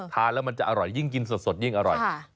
แล้วมันจะอร่อยยิ่งกินสดยิ่งอร่อย